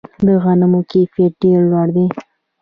د غنمو کیفیت ډیر لوړ دی.